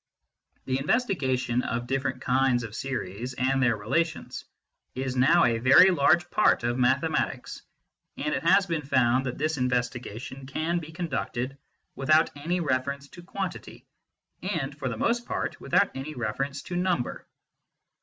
The investigation of different kinds of series and their relations is now a very large part of mathematics, and it has been found that this investiga tion can be conducted without any reference to quantity, and, for the most part, without any reference to number.